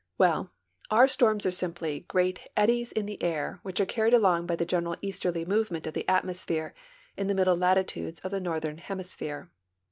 Well, our storms are simply great eddies in the air which are carried along by the general easterl}^ movement of the atmosphere in the middle latitudes of the northern hemisphere.